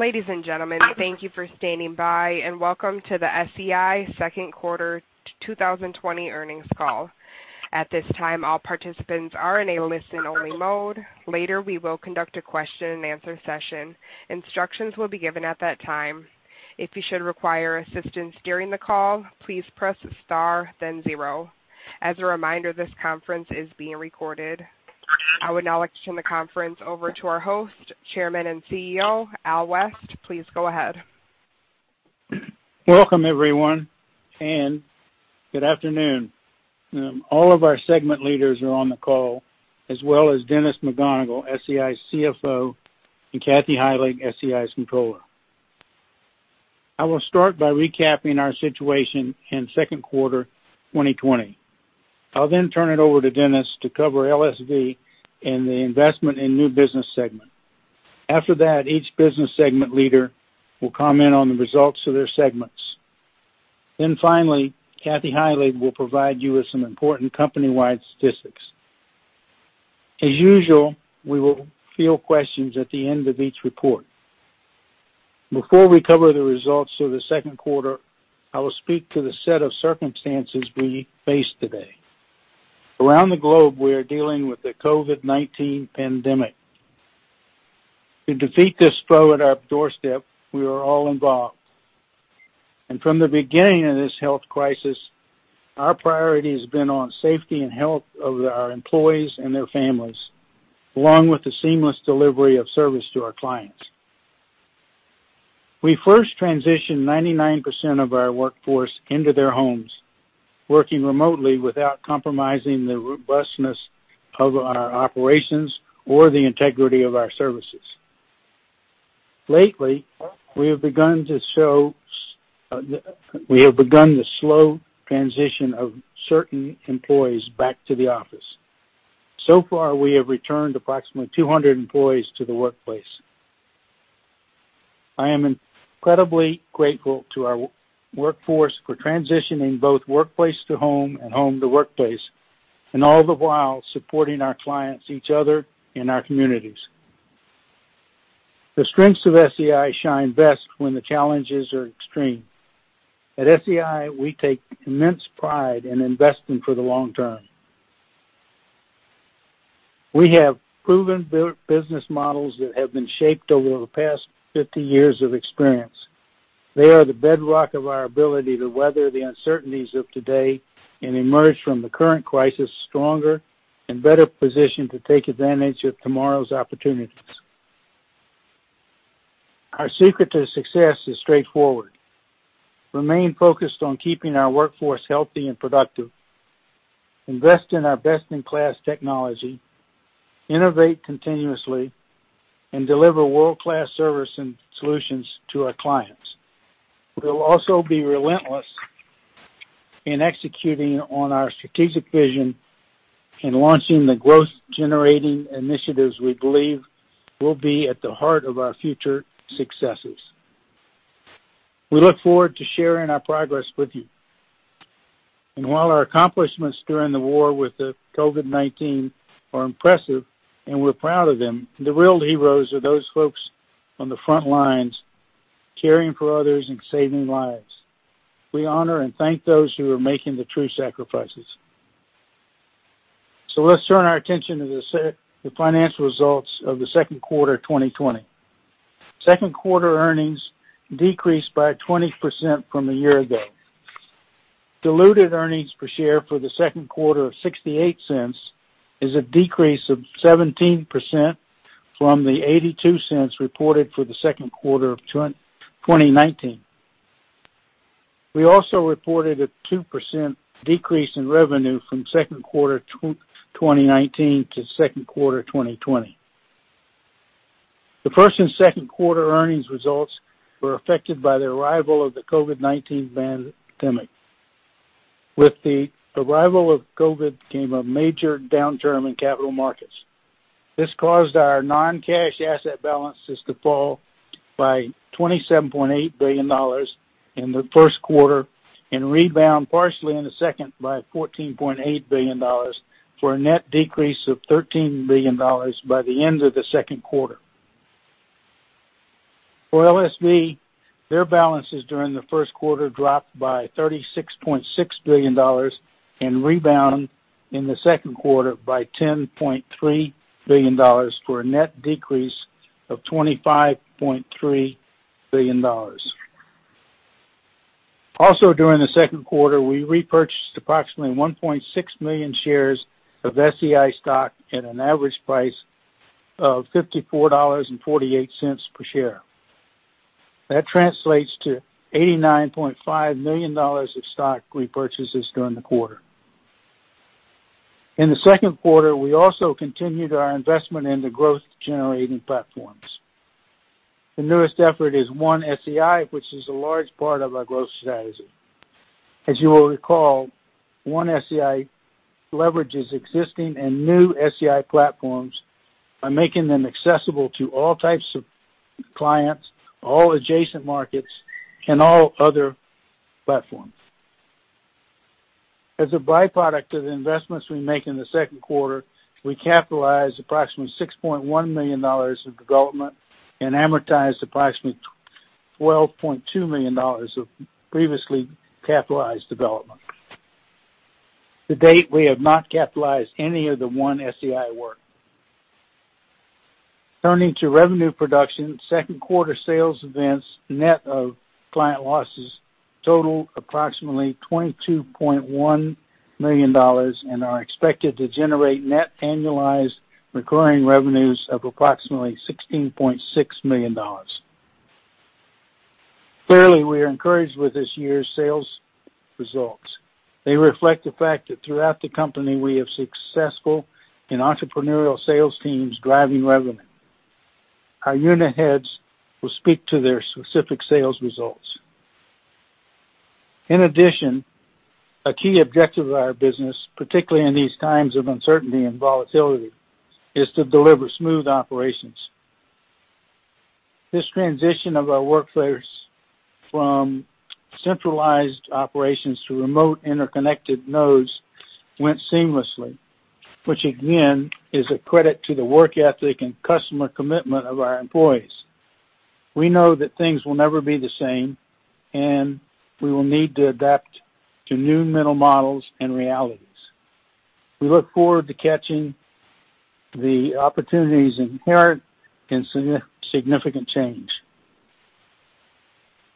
Ladies and gentlemen, thank you for standing by, and welcome to the SEI second quarter 2020 earnings call. At this time, all participants are in a listen-only mode. Later, we will conduct a question and answer session. Instructions will be given at that time. If you should require assistance during the call, please press star then zero. As a reminder, this conference is being recorded. I would now like to turn the conference over to our host, Chairman and CEO, Al West. Please go ahead. Welcome, everyone, and good afternoon. All of our segment leaders are on the call as well as Dennis McGonigle, SEI CFO, and Kathy Heilig, SEI's Controller. I will start by recapping our situation in second quarter 2020. I'll then turn it over to Dennis to cover LSV and the investment in new business segment. After that, each business segment leader will comment on the results of their segments. Finally, Kathy Heilig will provide you with some important company-wide statistics. As usual, we will field questions at the end of each report. Before we cover the results of the second quarter, I will speak to the set of circumstances we face today. Around the globe, we are dealing with the COVID-19 pandemic. To defeat this foe at our doorstep, we are all involved. From the beginning of this health crisis, our priority has been on safety and health of our employees and their families, along with the seamless delivery of service to our clients. We first transitioned 99% of our workforce into their homes, working remotely without compromising the robustness of our operations or the integrity of our services. Lately, we have begun the slow transition of certain employees back to the office. Far, we have returned approximately 200 employees to the workplace. I am incredibly grateful to our workforce for transitioning both workplace to home and home to workplace, and all the while supporting our clients, each other, and our communities. The strengths of SEI shine best when the challenges are extreme. At SEI, we take immense pride in investing for the long term. We have proven business models that have been shaped over the past 50 years of experience. They are the bedrock of our ability to weather the uncertainties of today and emerge from the current crisis stronger and better positioned to take advantage of tomorrow's opportunities. Our secret to success is straightforward. Remain focused on keeping our workforce healthy and productive, invest in our best-in-class technology, innovate continuously, and deliver world-class service and solutions to our clients. We'll also be relentless in executing on our strategic vision and launching the growth-generating initiatives we believe will be at the heart of our future successes. We look forward to sharing our progress with you. While our accomplishments during the war with COVID-19 are impressive, and we're proud of them, the real heroes are those folks on the front lines caring for others and saving lives. We honor and thank those who are making the true sacrifices. Let's turn our attention to the financial results of the second quarter 2020. Second quarter earnings decreased by 20% from a year ago. Diluted earnings per share for the second quarter of $0.68 is a decrease of 17% from the $0.82 reported for the second quarter of 2019. We also reported a 2% decrease in revenue from second quarter 2019 to second quarter 2020. The first and second quarter earnings results were affected by the arrival of the COVID-19 pandemic. With the arrival of COVID-19 came a major downturn in capital markets. This caused our non-cash asset balances to fall by $27.8 billion in the first quarter and rebound partially in the second by $14.8 billion for a net decrease of $13 billion by the end of the second quarter. For LSV, their balances during the first quarter dropped by $36.6 billion and rebound in the second quarter by $10.3 billion for a net decrease of $25.3 billion. Also during the second quarter, we repurchased approximately 1.6 million shares of SEI stock at an average price of $54.48 per share. That translates to $89.5 million of stock repurchases during the quarter. In the second quarter, we also continued our investment in the growth-generating platforms. The newest effort is One SEI, which is a large part of our growth strategy. As you will recall, One SEI leverages existing and new SEI platforms by making them accessible to all types of clients, all adjacent markets, and all other platforms. As a byproduct of the investments we make in the second quarter, we capitalized approximately $6.1 million of development and amortized approximately $12.2 million of previously capitalized development. To date, we have not capitalized any of the One SEI work. Turning to revenue production, second quarter sales events net of client losses totaled approximately $22.1 million and are expected to generate net annualized recurring revenues of approximately $16.6 million. Clearly, we are encouraged with this year's sales results. They reflect the fact that throughout the company, we have successful and entrepreneurial sales teams driving revenue. Our unit heads will speak to their specific sales results. In addition, a key objective of our business, particularly in these times of uncertainty and volatility, is to deliver smooth operations. This transition of our workplace from centralized operations to remote interconnected nodes went seamlessly. Which, again, is a credit to the work ethic and customer commitment of our employees. We know that things will never be the same, and we will need to adapt to new mental models and realities. We look forward to catching the opportunities inherent in significant change.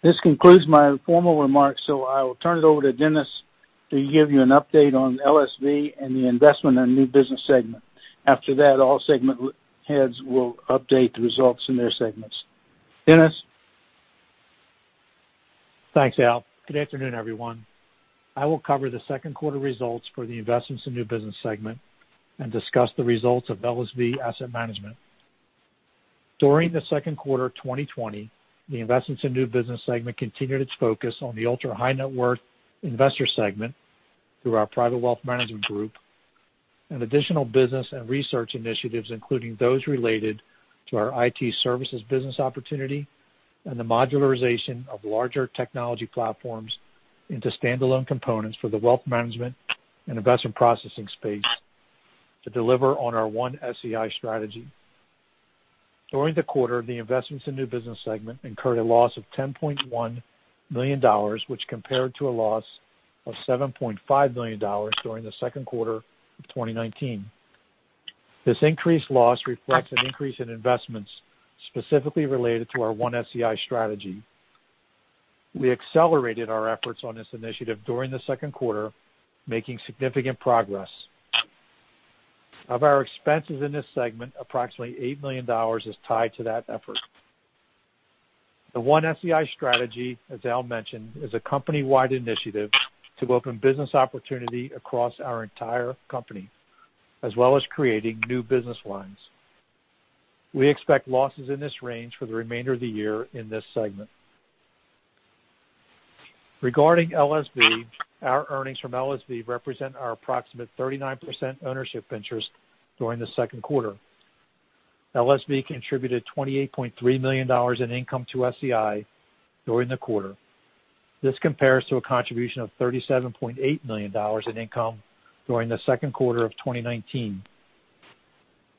This concludes my formal remarks. I will turn it over to Dennis to give you an update on LSV and the investment in the new business segment. After that, all segment heads will update the results in their segments. Dennis? Thanks, Al. Good afternoon, everyone. I will cover the second quarter results for the investments in new business segment and discuss the results of LSV Asset Management. During the second quarter 2020, the investments in new business segment continued its focus on the ultra-high net worth investor segment through our private wealth management group and additional business and research initiatives, including those related to our IT services business opportunity and the modularization of larger technology platforms into standalone components for the wealth management and investment processing space to deliver on our One SEI strategy. During the quarter, the investments in new business segment incurred a loss of $10.1 million, which compared to a loss of $7.5 million during the second quarter of 2019. This increased loss reflects an increase in investments specifically related to our One SEI strategy. We accelerated our efforts on this initiative during the second quarter, making significant progress. Of our expenses in this segment, approximately $8 million is tied to that effort. The One SEI strategy, as Al mentioned, is a company-wide initiative to open business opportunity across our entire company, as well as creating new business lines. We expect losses in this range for the remainder of the year in this segment. Regarding LSV, our earnings from LSV represent our approximate 39% ownership interest during the second quarter. LSV contributed $28.3 million in income to SEI during the quarter. This compares to a contribution of $37.8 million in income during the second quarter of 2019.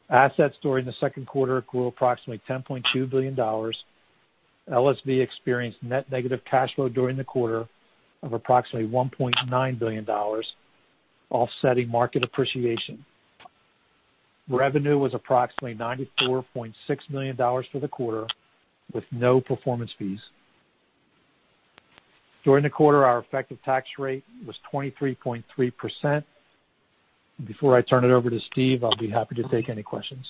Assets during the second quarter grew approximately $10.2 billion. LSV experienced net negative cash flow during the quarter of approximately $1.9 billion, offsetting market appreciation. Revenue was approximately $94.6 million for the quarter, with no performance fees. During the quarter, our effective tax rate was 23.3%. Before I turn it over to Steve, I'll be happy to take any questions.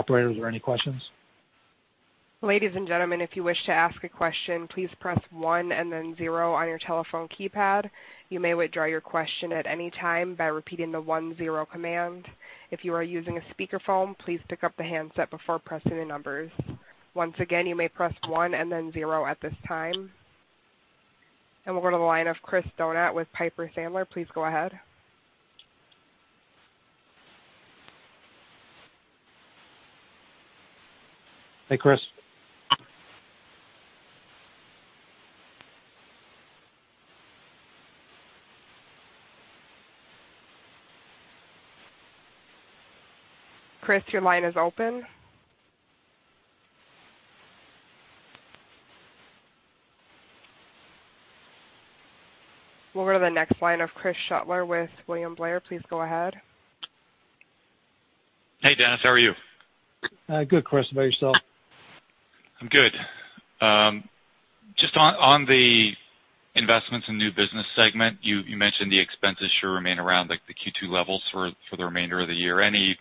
Operator, are there any questions? Ladies and gentlemen, if you wish to ask a question, please press one and then zero on your telephone keypad. You may withdraw your question at any time by repeating the one-zero command. If you are using a speakerphone, please pick up the handset before pressing the numbers. Once again, you may press one and then zero at this time. We'll go to the line of Chris Donat with Piper Sandler. Please go ahead. Hey, Chris. Chris, your line is open. We'll go to the next line of Chris Shutler with William Blair. Please go ahead. Hey, Dennis. How are you? Good, Chris. How about yourself? I'm good. Just on the investments in new business segment, you mentioned the expenses should remain around the Q2 levels for the remainder of the year. Any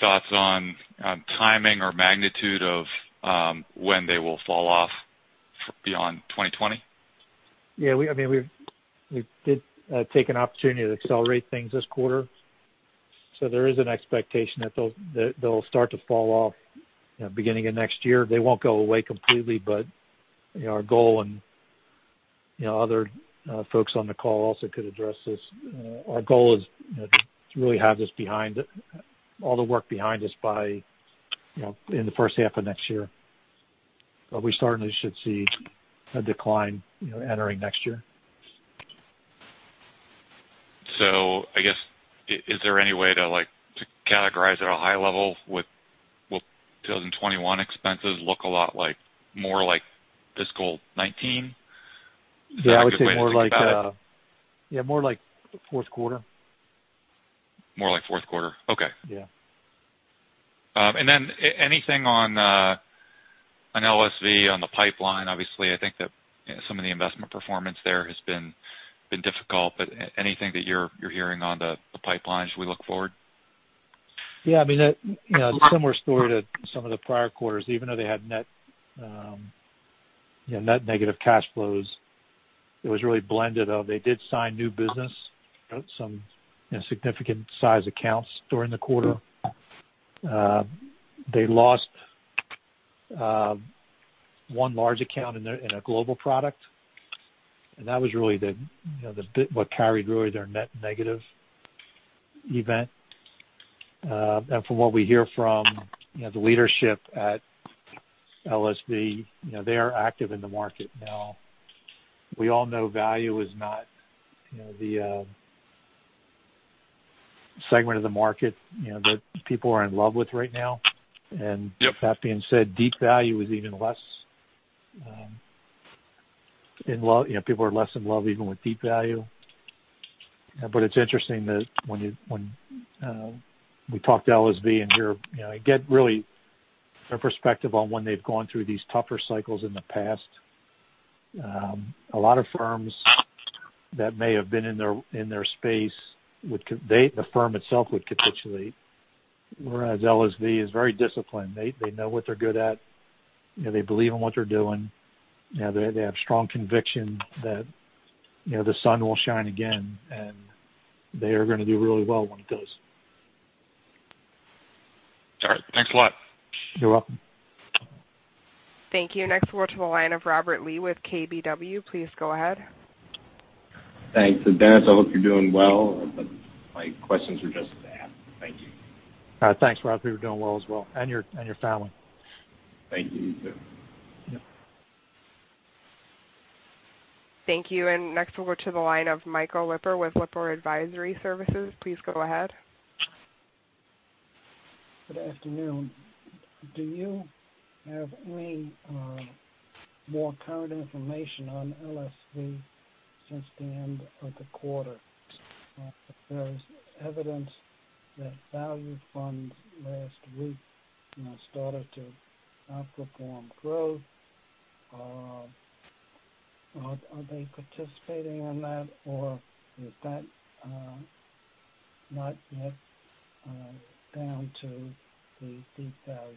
thoughts on timing or magnitude of when they will fall off beyond 2020? Yeah. We did take an opportunity to accelerate things this quarter. There is an expectation that they'll start to fall off beginning of next year. They won't go away completely, our goal, and other folks on the call also could address this, our goal is to really have all the work behind us by in the first half of next year. We certainly should see a decline entering next year. I guess, is there any way to categorize at a high level will 2021 expenses look a lot more like fiscal 2019? Is that a good way to think about it? Yeah, I would say more like fourth quarter. More like fourth quarter. Okay. Yeah. Anything on LSV, on the pipeline? Obviously, I think that some of the investment performance there has been difficult, but anything that you're hearing on the pipeline as we look forward? Yeah. A similar story to some of the prior quarters, even though they had net negative cash flows, it was really blended, though. They did sign new business, some significant size accounts during the quarter. They lost one large account in a global product, that was really what carried their net negative event. From what we hear from the leadership at LSV, they are active in the market now. We all know value is not the segment of the market that people are in love with right now. Yep. That being said, people are less in love even with deep value. It's interesting that when we talk to LSV and hear their perspective on when they've gone through these tougher cycles in the past. A lot of firms that may have been in their space, the firm itself would capitulate. Whereas LSV is very disciplined. They know what they're good at. They believe in what they're doing. They have strong conviction that the sun will shine again, and they are going to do really well when it does. All right. Thanks a lot. You're welcome. Thank you. Next, we'll go to the line of Robert Lee with KBW. Please go ahead. Thanks. Dennis, I hope you're doing well. My questions are just that. Thank you. Thanks, Robert. We're doing well as well, and your family. Thank you. You, too. Yep. Thank you. Next we'll go to the line of Michael Lipper with Lipper Advisory Services. Please go ahead. Good afternoon. Do you have any more current information on LSV since the end of the quarter? There was evidence that value funds last week started to outperform growth. Are they participating in that, or is that not yet down to the deep value?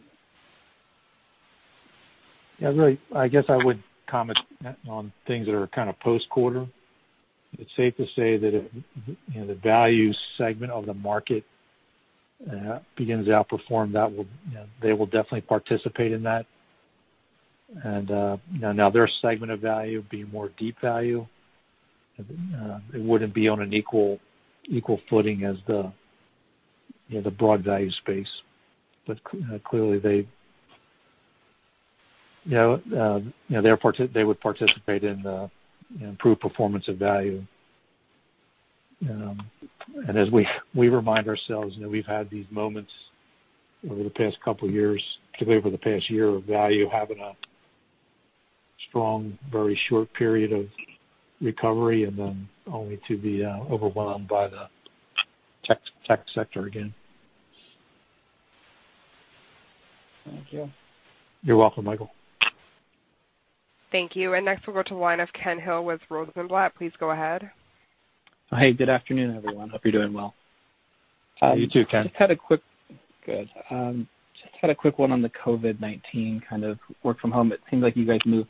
Yeah. I guess I wouldn't comment on things that are post-quarter. It's safe to say that if the value segment of the market begins to outperform, they will definitely participate in that. Now their segment of value being more deep value, it wouldn't be on an equal footing as the broad value space. Clearly they would participate in improved performance of value. As we remind ourselves, we've had these moments over the past couple of years, particularly over the past year, of value having a strong, very short period of recovery, and then only to be overwhelmed by the tech sector again. Thank you. You're welcome, Michael. Thank you. Next we'll go to the line of Ken Hill with Rosenblatt. Please go ahead. Hey, good afternoon, everyone. Hope you're doing well. You too, Ken. Good. Just had a quick one on the COVID-19 work from home. It seems like you guys moved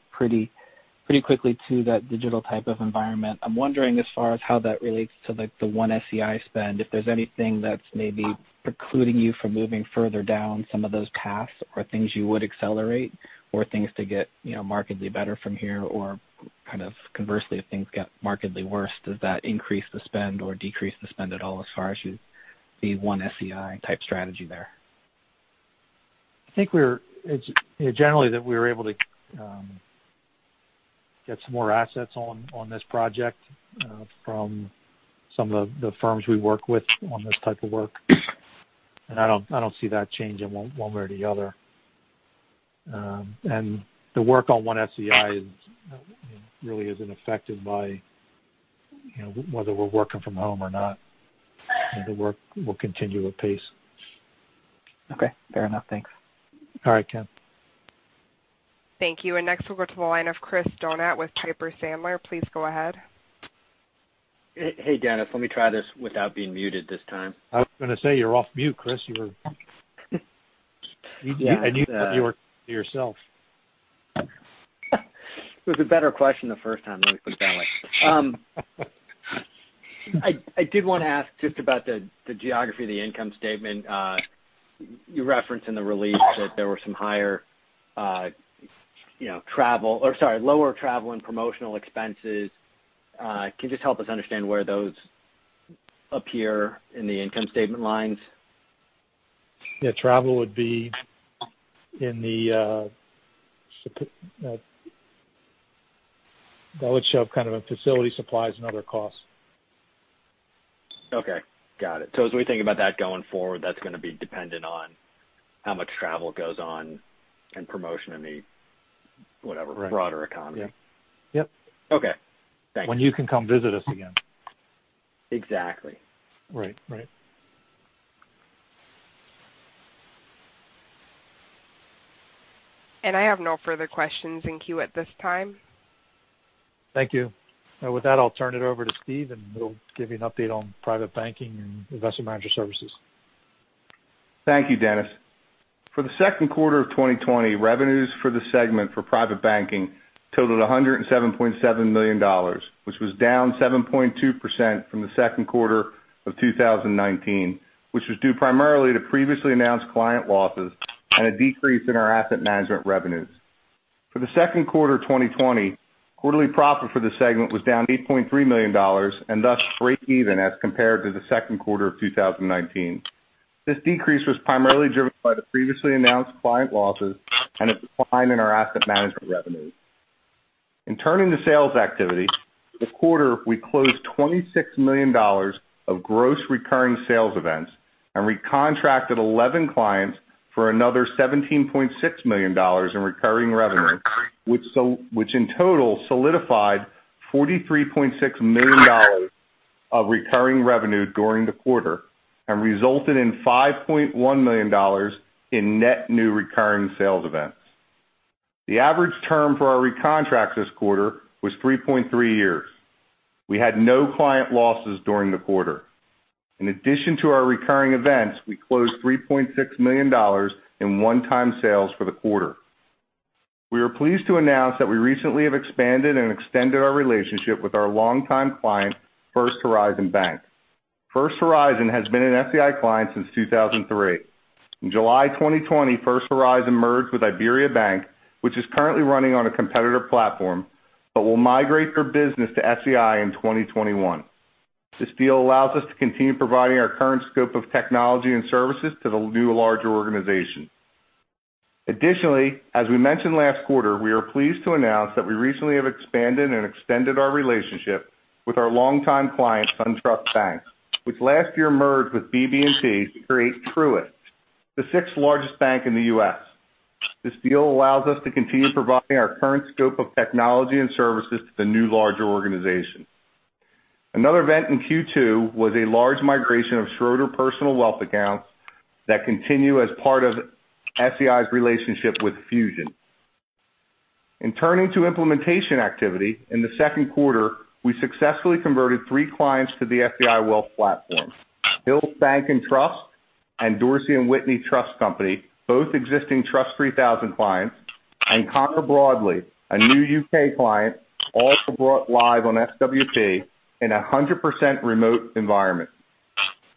pretty quickly to that digital type of environment. I'm wondering, as far as how that relates to the One SEI spend, if there's anything that's maybe precluding you from moving further down some of those paths, or things you would accelerate or things to get markedly better from here, or conversely, if things get markedly worse, does that increase the spend or decrease the spend at all as far as the One SEI type strategy there? I think generally that we were able to get some more assets on this project from some of the firms we work with on this type of work, and I don't see that changing one way or the other. The work on One SEI really isn't affected by whether we're working from home or not. The work will continue at pace. Okay, fair enough. Thanks. All right, Ken. Thank you. Next we'll go to the line of Chris Donat with Piper Sandler. Please go ahead. Hey, Dennis. Let me try this without being muted this time. I was going to say you're off mute, Chris. Yeah. I knew you were yourself. It was a better question the first time, let me put it that way. I did want to ask just about the geography of the income statement. You referenced in the release that there were some lower travel and promotional expenses. Can you just help us understand where those appear in the income statement lines? Yeah. That would show up kind of in facility supplies and other costs. Okay. Got it. As we think about that going forward, that's going to be dependent on how much travel goes on and promotion in the, whatever. Right broader economy. Yep. Okay. Thanks. When you can come visit us again. Exactly. Right. I have no further questions in queue at this time. Thank you. With that, I'll turn it over to Steve, and he'll give you an update on private banking and investment manager services. Thank you, Dennis. For the second quarter of 2020, revenues for the segment for Private Banking totaled $107.7 million, which was down 7.2% from the second quarter of 2019, which was due primarily to previously announced client losses and a decrease in our asset management revenues. For the second quarter of 2020, quarterly profit for the segment was down $8.3 million, and thus break even as compared to the second quarter of 2019. This decrease was primarily driven by the previously announced client losses and a decline in our asset management revenues. In turning to sales activity, this quarter, we closed $26 million of gross recurring sales events, and recontracted 11 clients for another $17.6 million in recurring revenue, which in total solidified $43.6 million of recurring revenue during the quarter and resulted in $5.6 million in net new recurring sales events. The average term for our recontracts this quarter was 3.3 years. We had no client losses during the quarter. In addition to our recurring events, we closed $3.6 million in one-time sales for the quarter. We are pleased to announce that we recently have expanded and extended our relationship with our longtime client, First Horizon Bank. First Horizon has been an SEI client since 2003. In July 2020, First Horizon merged with IBERIABANK, which is currently running on a competitor platform, but will migrate their business to SEI in 2021. This deal allows us to continue providing our current scope of technology and services to the new, larger organization. Additionally, as we mentioned last quarter, we are pleased to announce that we recently have expanded and extended our relationship with our longtime client, SunTrust Bank, which last year merged with BB&T to create Truist, the sixth largest bank in the U.S. This deal allows us to continue providing our current scope of technology and services to the new larger organization. Another event in Q2 was a large migration of Schroders Personal Wealth accounts that continue as part of SEI's relationship with Fusion. Turning to implementation activity, in the second quarter, we successfully converted three clients to the SEI Wealth Platform. Hills Bank and Trust, and Dorsey & Whitney Trust Company, both existing TRUST 3000 clients, and Connor Broadley, a new U.K. client, also brought live on SWP in 100% remote environment.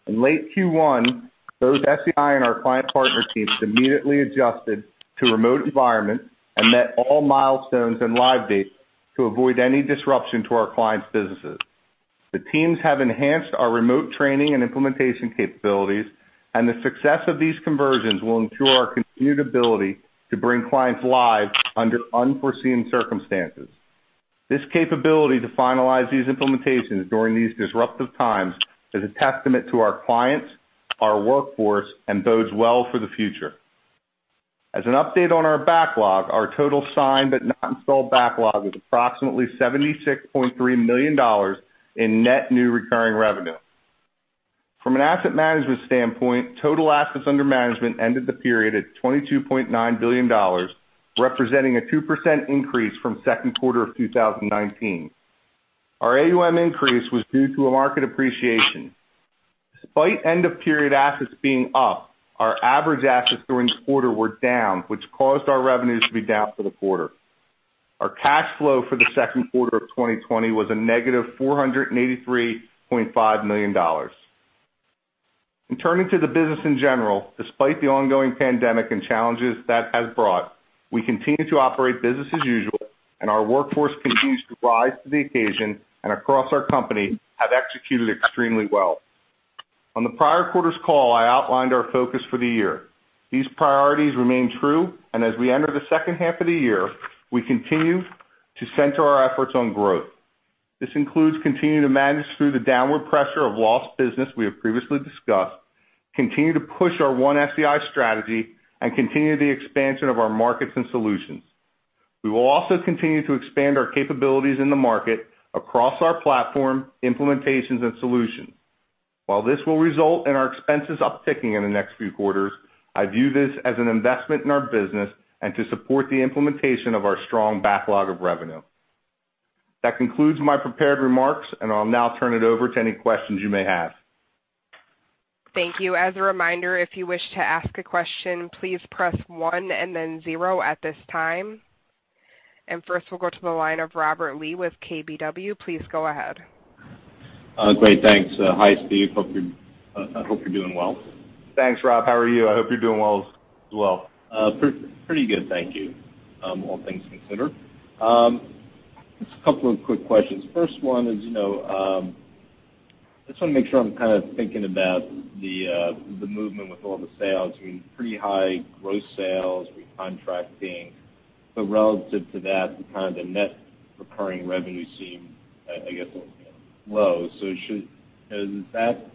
In late Q1, both SEI and our client partner teams immediately adjusted to remote environment and met all milestones and live dates to avoid any disruption to our clients' businesses. The teams have enhanced our remote training and implementation capabilities, and the success of these conversions will ensure our continued ability to bring clients live under unforeseen circumstances. This capability to finalize these implementations during these disruptive times is a testament to our clients, our workforce, and bodes well for the future. As an update on our backlog, our total signed but not installed backlog is approximately $76.3 million in net new recurring revenue. From an asset management standpoint, total assets under management ended the period at $22.9 billion, representing a 2% increase from second quarter of 2019. Our AUM increase was due to a market appreciation. Despite end-of-period assets being up, our average assets during the quarter were down, which caused our revenues to be down for the quarter. Our cash flow for the second quarter of 2020 was a negative $483.5 million. In turning to the business in general, despite the ongoing pandemic and challenges that has brought, we continue to operate business as usual, and our workforce continues to rise to the occasion, and across our company, have executed extremely well. On the prior quarter's call, I outlined our focus for the year. These priorities remain true, and as we enter the second half of the year, we continue to center our efforts on growth. This includes continuing to manage through the downward pressure of lost business we have previously discussed, continue to push our One SEI strategy, and continue the expansion of our markets and solutions. We will also continue to expand our capabilities in the market across our platform, implementations, and solutions. While this will result in our expenses upticking in the next few quarters, I view this as an investment in our business and to support the implementation of our strong backlog of revenue. That concludes my prepared remarks, and I'll now turn it over to any questions you may have. Thank you. As a reminder, if you wish to ask a question, please press one and then zero at this time. First we'll go to the line of Robert Lee with KBW. Please go ahead. Great, thanks. Hi, Steve. I hope you're doing well. Thanks, Rob. How are you? I hope you're doing well as well. Pretty good, thank you, all things considered. Just a couple of quick questions. First one is, I just want to make sure I'm thinking about the movement with all the sales. I mean, pretty high gross sales recontracting, relative to that, the net recurring revenue seemed, I guess, low. Does that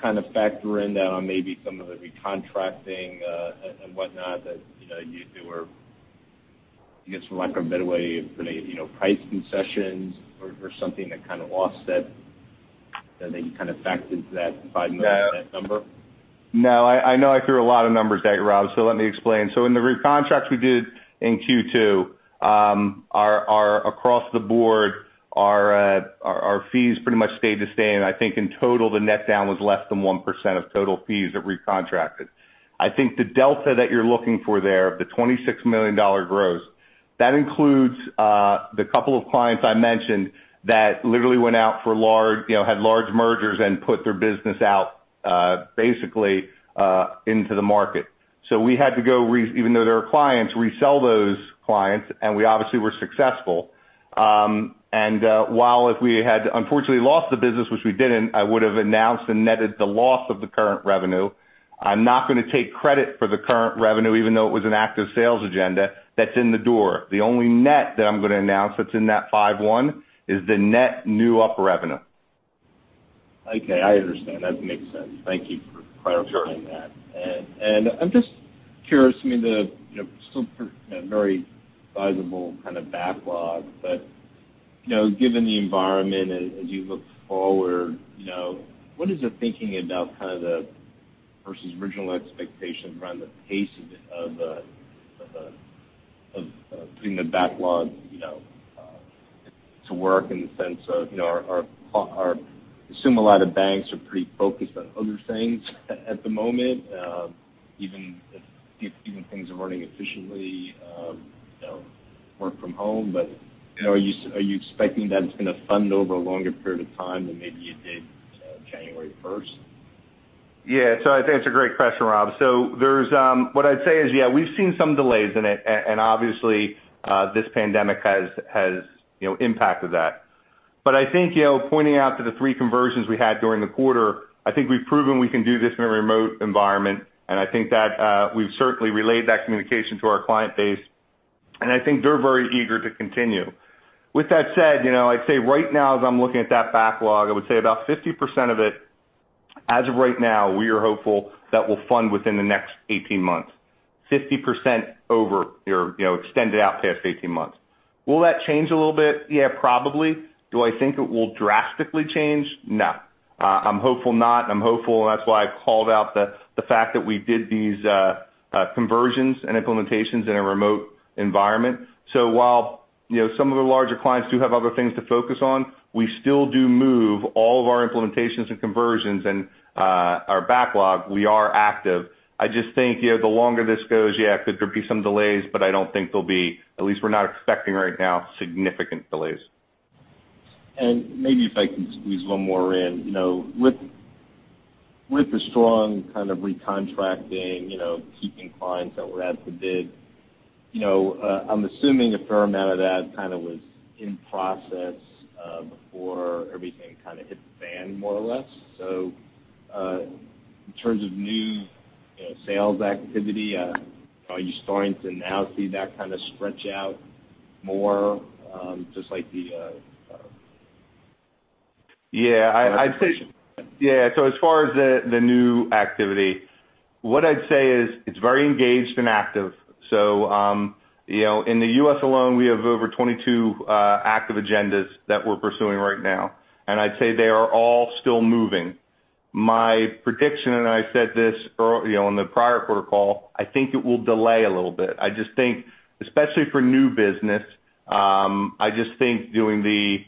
kind of factor in that on maybe some of the recontracting, and whatnot that, you do or I guess from like a [better way], price concessions or something to kind of offset that maybe you kind of factored that $5 million net number? No. I know I threw a lot of numbers at you, Rob, let me explain. In the recontracts we did in Q2, across the board, our fees pretty much stayed the same. I think in total, the net down was less than 1% of total fees that recontracted. I think the delta that you're looking for there, the $26 million gross, that includes the couple of clients I mentioned that literally had large mergers and put their business out, basically, into the market. We had to go, even though they were clients, resell those clients, and we obviously were successful. While if we had unfortunately lost the business, which we didn't, I would've announced and netted the loss of the current revenue. I'm not going to take credit for the current revenue, even though it was an active sales agenda that's in the door. The only net that I'm going to announce that's in that 51 is the net new Lipper revenue. Okay, I understand. That makes sense. Thank you for clarifying that. Sure. I'm just curious, I mean, still very sizable kind of backlog, but, given the environment and as you look forward, what is the thinking about the versus original expectations around the pace of putting the backlog to work in the sense of, I assume a lot of banks are pretty focused on other things at the moment, even if things are running efficiently, work from home. Are you expecting that it's going to fund over a longer period of time than maybe you did January 1st? Yeah, I think that's a great question, Rob. What I'd say is, yeah, we've seen some delays in it, and obviously, this pandemic has impacted that. I think, pointing out to the three conversions we had during the quarter, I think we've proven we can do this in a remote environment, and I think that we've certainly relayed that communication to our client base, and I think they're very eager to continue. With that said, I'd say right now, as I'm looking at that backlog, I would say about 50% of it, as of right now, we are hopeful that will fund within the next 18 months. 50% over or extended out past 18 months. Will that change a little bit? Yeah, probably. Do I think it will drastically change? No. I'm hopeful not. I'm hopeful, and that's why I called out the fact that we did these conversions and implementations in a remote environment. While some of the larger clients do have other things to focus on, we still do move all of our implementations and conversions and our backlog, we are active. I just think, the longer this goes, yeah, could there be some delays, but I don't think there'll be, at least we're not expecting right now, significant delays. Maybe if I can squeeze one more in. With the strong kind of recontracting, keeping clients that were at the bid, I'm assuming a fair amount of that was in process, before everything hit the fan, more or less. In terms of new sales activity, are you starting to now see that stretch out more? Yeah. Yeah. As far as the new activity, what I'd say is it's very engaged and active. In the U.S. alone, we have over 22 active agendas that we're pursuing right now, and I'd say they are all still moving. My prediction, and I said this on the prior quarter call, I think it will delay a little bit. I just think, especially for new business, I just think doing the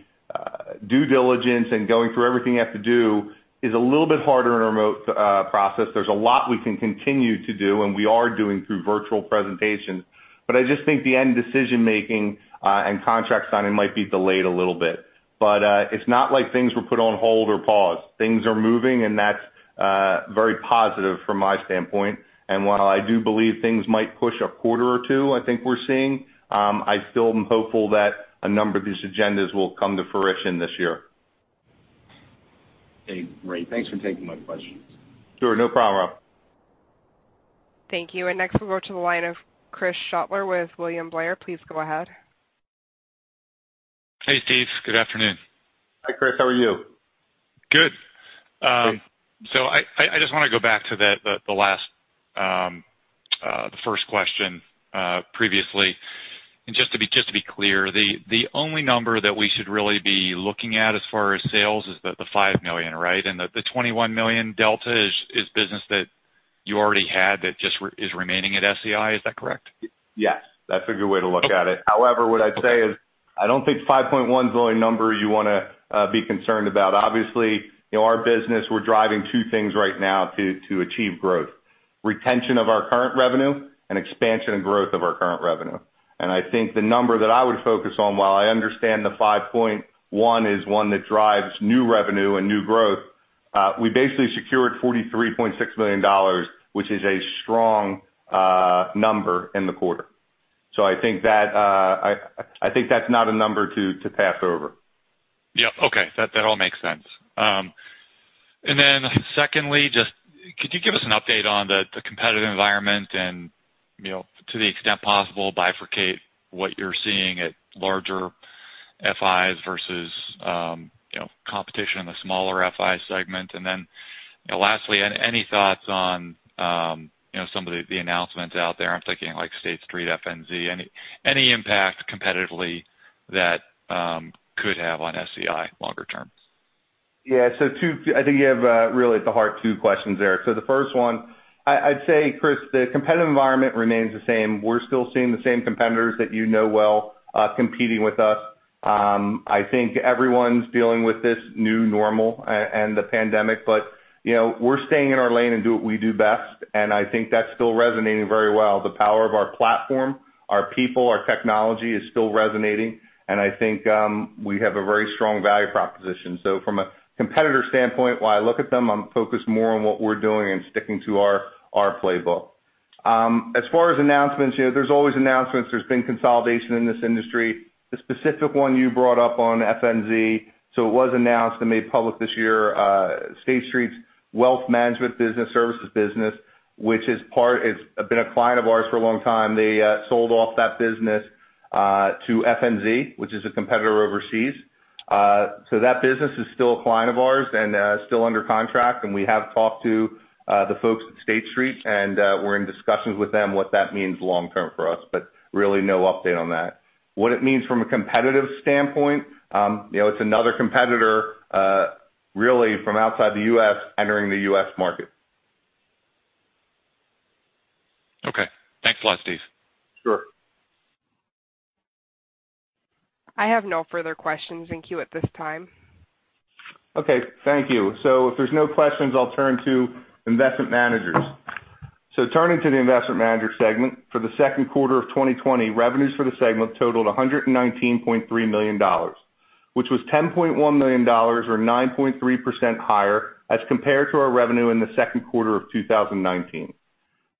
due diligence and going through everything you have to do is a little bit harder in a remote process. There's a lot we can continue to do, and we are doing through virtual presentations, but I just think the end decision-making, and contract signing might be delayed a little bit. It's not like things were put on hold or pause. Things are moving, and that's very positive from my standpoint. While I do believe things might push a quarter or two, I think we're seeing, I still am hopeful that a number of these agendas will come to fruition this year. Okay. Great. Thanks for taking my questions. Sure. No problem, Rob. Thank you. Next we'll go to the line of Chris Schoettler with William Blair. Please go ahead. Hey, Steve. Good afternoon. Hi, Chris. How are you? Good. Great. I just want to go back to the first question previously. Just to be clear, the only number that we should really be looking at as far as sales is the $5 million, right? The $21 million delta is business that you already had that just is remaining at SEI. Is that correct? Yes. That's a good way to look at it. However, what I'd say is, I don't think 5.1 is the only number you want to be concerned about. Obviously, in our business, we're driving two things right now to achieve growth, retention of our current revenue and expansion and growth of our current revenue. I think the number that I would focus on, while I understand the 5.1 is one that drives new revenue and new growth, we basically secured $43.6 million, which is a strong number in the quarter. I think that's not a number to pass over. Yeah. Okay. That all makes sense. Secondly, just could you give us an update on the competitive environment and, to the extent possible, bifurcate what you're seeing at larger FIs versus competition in the smaller FI segment? Lastly, any thoughts on some of the announcements out there, I'm thinking like State Street, FNZ. Any impact competitively that could have on SEI longer term? Yeah. Two, I think you have really at the heart two questions there. The first one, I'd say, Chris, the competitive environment remains the same. We're still seeing the same competitors that you know well competing with us. I think everyone's dealing with this new normal and the pandemic, but we're staying in our lane and do what we do best, and I think that's still resonating very well. The power of our platform, our people, our technology is still resonating, and I think we have a very strong value proposition. From a competitor standpoint, while I look at them, I'm focused more on what we're doing and sticking to our playbook. As far as announcements, there's always announcements. There's been consolidation in this industry. The specific one you brought up on FNZ, so it was announced and made public this year. State Street's wealth management business, services business, which has been a client of ours for a long time. They sold off that business to FNZ, which is a competitor overseas. That business is still a client of ours and still under contract, and we have talked to the folks at State Street, and we're in discussions with them what that means long-term for us. Really no update on that. What it means from a competitive standpoint, it's another competitor, really from outside the U.S. entering the U.S. market. Okay. Thanks a lot, Steve. Sure. I have no further questions in queue at this time. Okay. Thank you. If there's no questions, I'll turn to investment managers. Turning to the Investment Manager segment, for the second quarter of 2020, revenues for the segment totaled $119.3 million, which was $10.1 million, or 9.3% higher as compared to our revenue in the second quarter of 2019.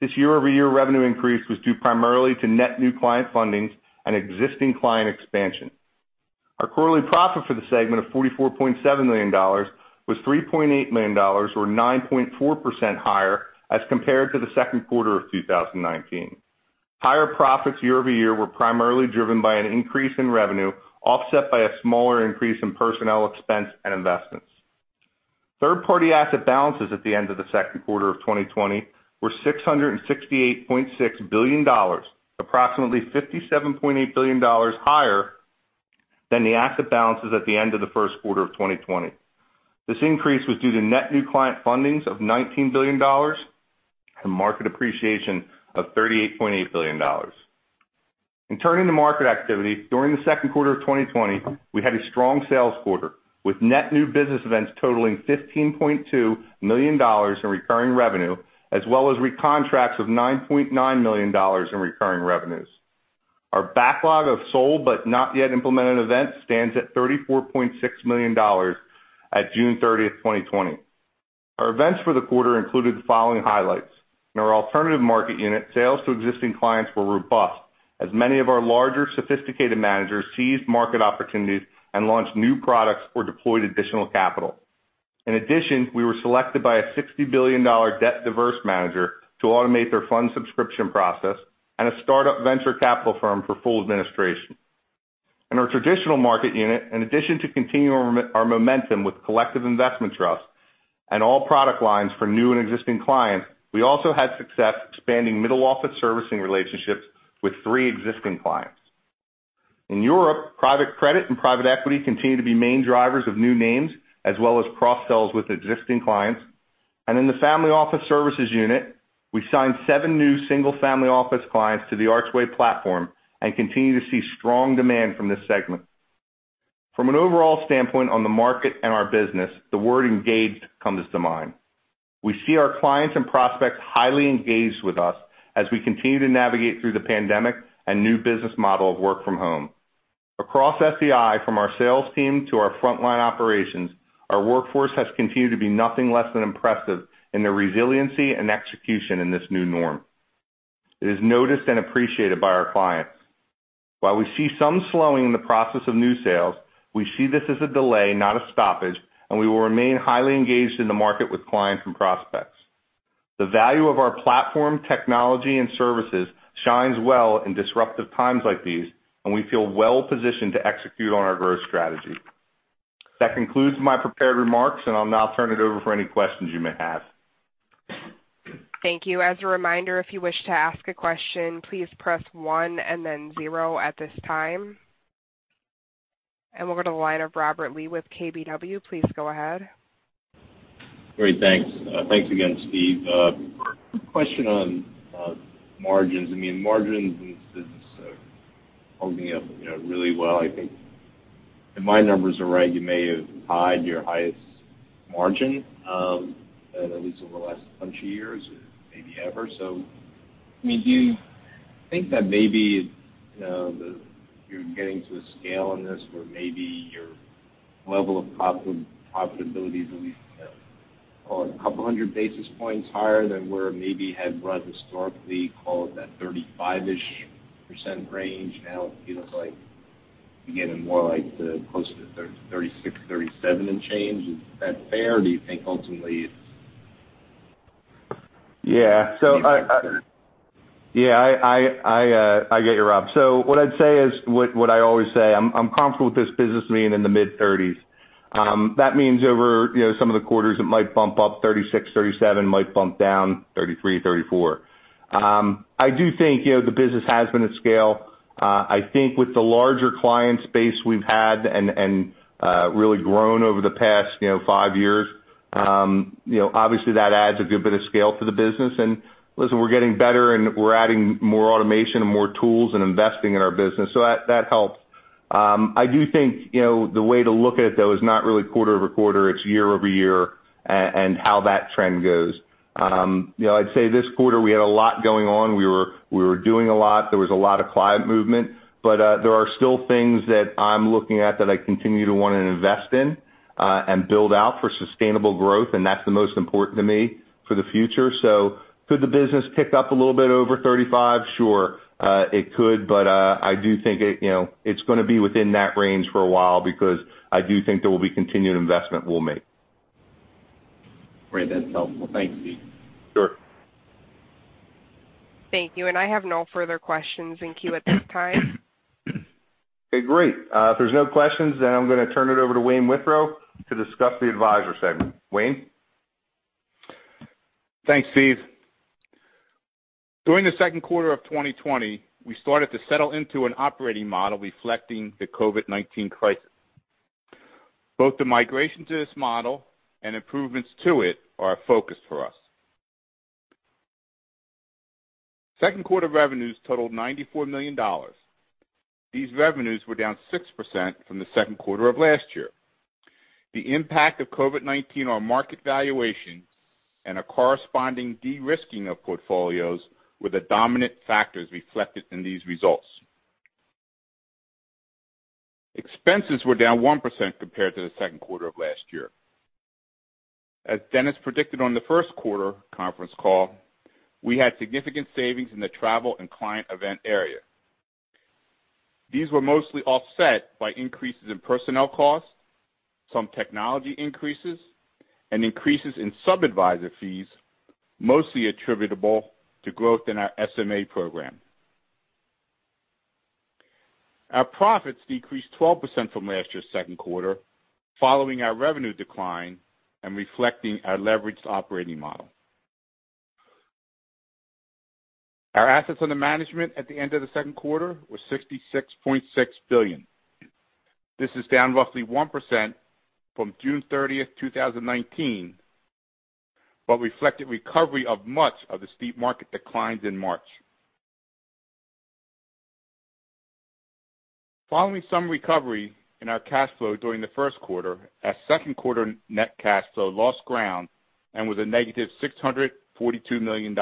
This year-over-year revenue increase was due primarily to net new client fundings and existing client expansion. Our quarterly profit for the segment of $44.7 million was $3.8 million, or 9.4% higher as compared to the second quarter of 2019. Higher profits year-over-year were primarily driven by an increase in revenue, offset by a smaller increase in personnel expense and investments. Third-party asset balances at the end of the second quarter of 2020 were $668.6 billion, approximately $57.8 billion higher than the asset balances at the end of the first quarter of 2020. This increase was due to net new client fundings of $19 billion and market appreciation of $38.8 billion. In turning to market activity, during the second quarter of 2020, we had a strong sales quarter, with net new business events totaling $15.2 million in recurring revenue, as well as recontracts of $9.9 million in recurring revenues. Our backlog of sold but not yet implemented events stands at $34.6 million at June 30th, 2020. Our events for the quarter included the following highlights. In our alternative market unit, sales to existing clients were robust, as many of our larger, sophisticated managers seized market opportunities and launched new products or deployed additional capital. In addition, we were selected by a $60 billion debt diverse manager to automate their fund subscription process and a startup venture capital firm for full administration. In our traditional market unit, in addition to continuing our momentum with collective investment trusts and all product lines for new and existing clients, we also had success expanding middle office servicing relationships with three existing clients. In Europe, private credit and private equity continue to be main drivers of new names, as well as cross-sells with existing clients. In the family office services unit, we signed seven new single-family office clients to the Archway Platform and continue to see strong demand from this segment. From an overall standpoint on the market and our business, the word engaged comes to mind. We see our clients and prospects highly engaged with us as we continue to navigate through the pandemic and new business model of work from home. Across SEI, from our sales team to our frontline operations, our workforce has continued to be nothing less than impressive in their resiliency and execution in this new norm. It is noticed and appreciated by our clients. While we see some slowing in the process of new sales, we see this as a delay, not a stoppage, and we will remain highly engaged in the market with clients and prospects. The value of our platform, technology, and services shines well in disruptive times like these, and we feel well-positioned to execute on our growth strategy. That concludes my prepared remarks, and I'll now turn it over for any questions you may have. Thank you. As a reminder, if you wish to ask a question, please press one and then zero at this time. We'll go to the line of Robert Lee with KBW. Please go ahead. Great. Thanks. Thanks again, Steve. A question on margins. Margins in this business are holding up really well. I think if my numbers are right, you may have tied your highest margin, at least in the last bunch of years or maybe ever. Do you think that maybe you're getting to a scale in this where maybe your level of profitability is at least call it 200 basis points higher than where maybe had run historically, call it that 35%-ish range. Now it feels like getting more like close to the 36%, 37% and change. Is that fair? Do you think ultimately it's- I get you, Rob. What I'd say is what I always say. I'm comfortable with this business being in the mid-thirties. That means over some of the quarters it might bump up, 36, 37, might bump down, 33, 34. I do think the business has been at scale. I think with the larger client space we've had and really grown over the past five years, obviously that adds a good bit of scale to the business. Listen, we're getting better and we're adding more automation and more tools and investing in our business, so that helps. I do think the way to look at it, though, is not really quarter-over-quarter, it's year-over-year and how that trend goes. I'd say this quarter we had a lot going on. We were doing a lot. There was a lot of client movement. There are still things that I'm looking at that I continue to want to invest in and build out for sustainable growth, and that's the most important to me for the future. Could the business tick up a little bit over 35? Sure, it could. I do think it's going to be within that range for a while because I do think there will be continued investment we'll make. Great. That's helpful. Thanks, Steve. Sure. Thank you. I have no further questions in queue at this time. Okay, great. If there's no questions, then I'm going to turn it over to Wayne Withrow to discuss the advisor segment. Wayne? Thanks, Steve. During the second quarter of 2020, we started to settle into an operating model reflecting the COVID-19 crisis. Both the migration to this model and improvements to it are a focus for us. Second quarter revenues totaled $94 million. These revenues were down 6% from the second quarter of last year. The impact of COVID-19 on market valuation and a corresponding de-risking of portfolios were the dominant factors reflected in these results. Expenses were down 1% compared to the second quarter of last year. As Dennis predicted on the first quarter conference call, we had significant savings in the travel and client event area. These were mostly offset by increases in personnel costs, some technology increases, and increases in sub-adviser fees, mostly attributable to growth in our SMA program. Our profits decreased 12% from last year's second quarter, following our revenue decline and reflecting our leveraged operating model. Our assets under management at the end of the second quarter were $66.6 billion. This is down roughly 1% from June 30th, 2019, reflected recovery of much of the steep market declines in March. Following some recovery in our cash flow during the first quarter, our second quarter net cash flow lost ground and was a negative $642 million.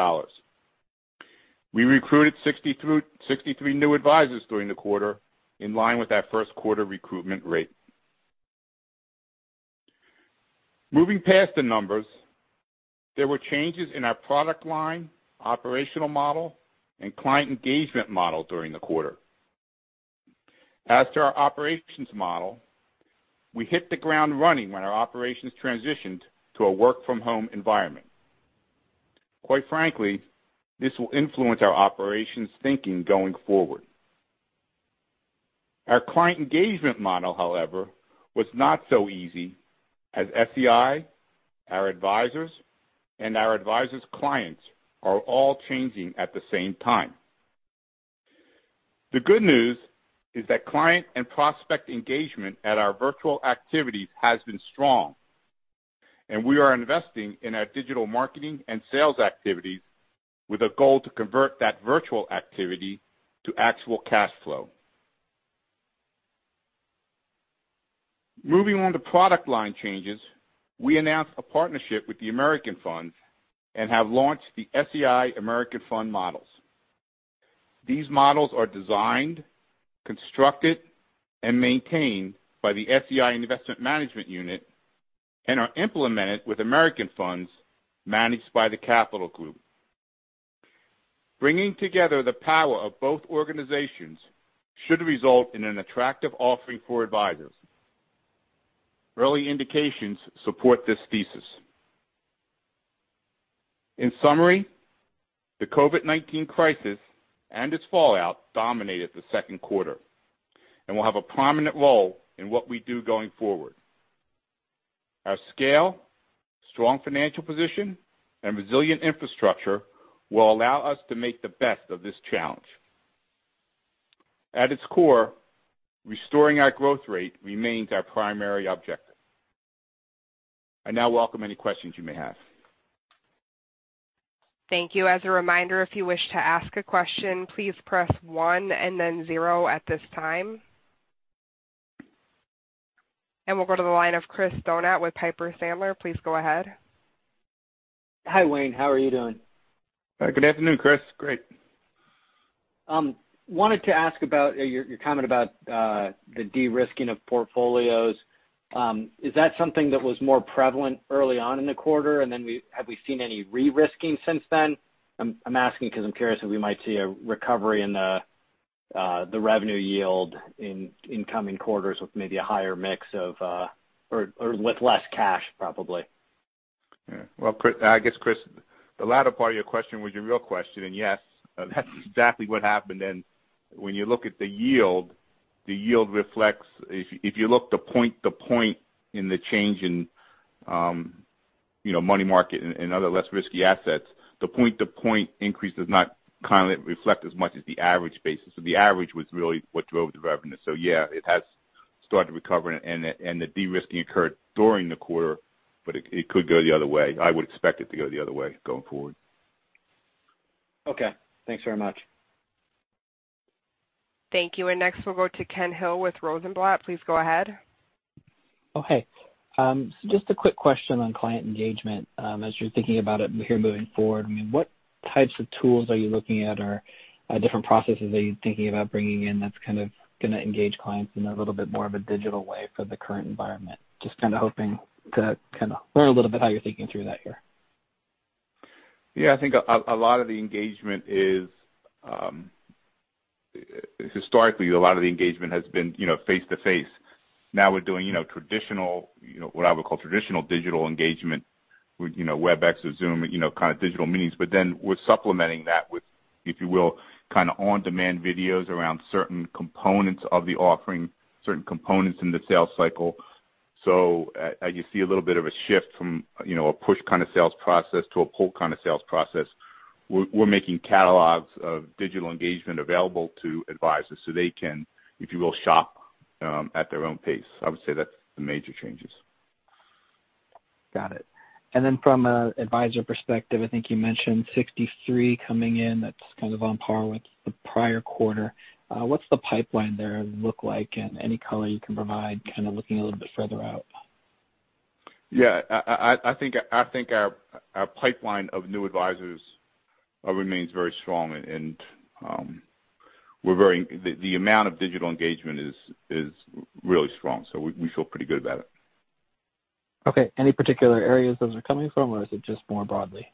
We recruited 63 new advisors during the quarter, in line with our first quarter recruitment rate. Moving past the numbers, there were changes in our product line, operational model, and client engagement model during the quarter. As to our operations model, we hit the ground running when our operations transitioned to a work-from-home environment. Quite frankly, this will influence our operations thinking going forward. Our client engagement model, however, was not so easy as SEI, our advisors, and our advisors' clients are all changing at the same time. The good news is that client and prospect engagement at our virtual activities has been strong, and we are investing in our digital marketing and sales activities with a goal to convert that virtual activity to actual cash flow. Moving on to product line changes, we announced a partnership with the American Funds and have launched the SEI American Funds Strategies. These models are designed, constructed, and maintained by the SEI Investment Management unit and are implemented with American Funds managed by The Capital Group. Bringing together the power of both organizations should result in an attractive offering for advisors. Early indications support this thesis. In summary, the COVID-19 crisis and its fallout dominated the second quarter and will have a prominent role in what we do going forward. Our scale, strong financial position, and resilient infrastructure will allow us to make the best of this challenge. At its core, restoring our growth rate remains our primary objective. I now welcome any questions you may have. Thank you. As a reminder, if you wish to ask a question, please press one and then zero at this time. We'll go to the line of Chris Donat with Piper Sandler. Please go ahead. Hi, Wayne. How are you doing? Good afternoon, Chris. Great. wanted to ask about your comment about the de-risking of portfolios. Is that something that was more prevalent early on in the quarter, and then have we seen any re-risking since then? I'm asking because I'm curious if we might see a recovery in the revenue yield in coming quarters with maybe a higher mix of Or with less cash, probably. Yeah. Well, I guess, Chris, the latter part of your question was your real question. Yes, that's exactly what happened. When you look at the yield, the yield reflects If you look the point-to-point in the change in money market and other less risky assets, the point-to-point increase does not reflect as much as the average basis. The average was really what drove the revenue. Yeah, it has started to recover, and the de-risking occurred during the quarter, but it could go the other way. I would expect it to go the other way going forward. Okay. Thanks very much. Thank you. Next, we'll go to Ken Hill with Rosenblatt. Please go ahead. Oh, hey. Just a quick question on client engagement. As you're thinking about it here moving forward, what types of tools are you looking at, or different processes are you thinking about bringing in that's going to engage clients in a little bit more of a digital way for the current environment? Just hoping to learn a little bit how you're thinking through that here. I think historically, a lot of the engagement has been face-to-face. Now we're doing what I would call traditional digital engagement with Webex or Zoom, digital meetings. We're supplementing that with on-demand videos around certain components of the offering, certain components in the sales cycle. You see a little bit of a shift from a push kind of sales process to a pull kind of sales process. We're making catalogs of digital engagement available to advisors so they can shop at their own pace. I would say that's the major changes. Got it. From an advisor perspective, I think you mentioned 63 coming in. That's on par with the prior quarter. What's the pipeline there look like? Any color you can provide, looking a little bit further out? Yeah. I think our pipeline of new advisors remains very strong. The amount of digital engagement is really strong. We feel pretty good about it. Okay. Any particular areas those are coming from, or is it just more broadly?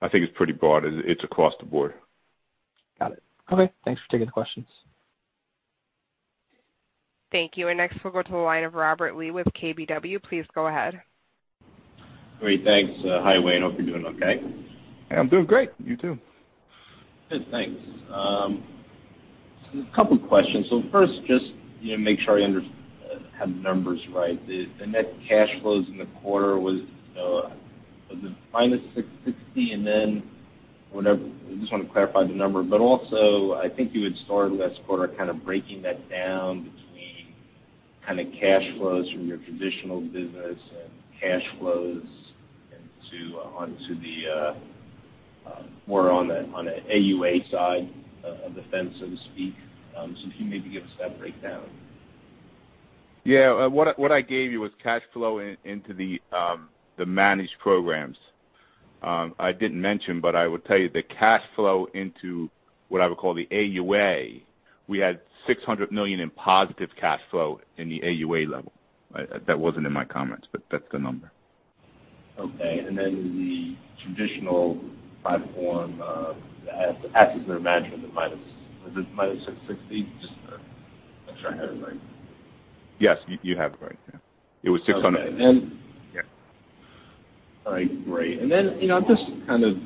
I think it's pretty broad. It's across the board. Got it. Okay. Thanks for taking the questions. Thank you. Next, we'll go to the line of Robert Lee with KBW. Please go ahead. Great, thanks. Hi, Wayne. Hope you're doing okay. I'm doing great. You too? Good, thanks. A couple questions. First, just make sure I have the numbers right. The net cash flows in the quarter was -$660, and then I just want to clarify the number. Also, I think you had started last quarter kind of breaking that down between cash flows from your traditional business and cash flows more on the AUA side of the fence, so to speak. If you maybe give us that breakdown. Yeah. What I gave you was cash flow into the managed programs. I didn't mention, but I will tell you the cash flow into what I would call the AUA, we had $600 million in positive cash flow in the AUA level. That wasn't in my comments, but that's the number. Okay. The traditional platform, the assets under management are minus $660? Just make sure I have it right. Yes, you have it right. Yeah. It was 600- Okay. Yeah. All right, great. I'm just kind of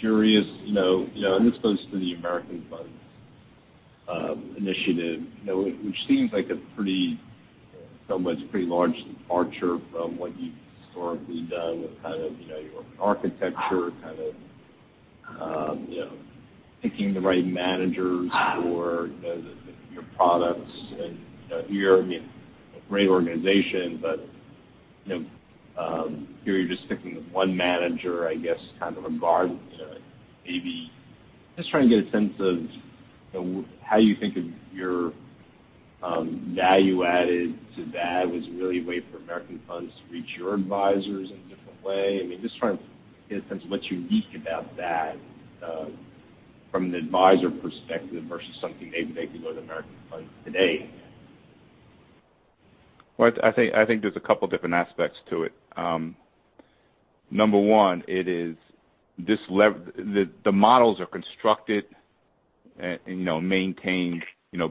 curious, and this goes to the American Funds initiative which seems like a pretty large departure from what you've historically done with your architecture, picking the right managers for your products. Here, a great organization, but here you're just sticking with one manager, I guess, kind of [guard] maybe. Trying to get a sense of how you think of your value added to that was really a way for American Funds to reach your advisors in a different way. Trying to get a sense of what's unique about that from the advisor perspective versus something maybe they could go to American Funds today. Well, I think there's a couple different aspects to it. Number one, the models are constructed and maintained